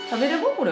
これ。